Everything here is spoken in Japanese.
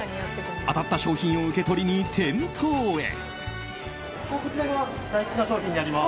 当たった商品を受け取りに店頭へ。